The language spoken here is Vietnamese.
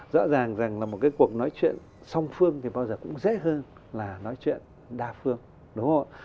rõ ràng rằng là một cái cuộc nói chuyện song phương thì bao giờ cũng dễ hơn